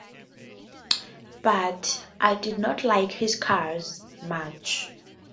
But I did not like his cars much.